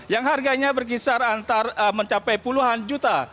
yang harganya berkisar antara mencapai puluhan juta